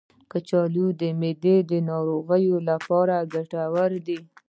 کچالو د معدې د ناروغیو لپاره ګټور دی.